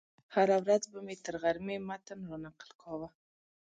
هره ورځ به مې تر غرمې متن رانقل کاوه.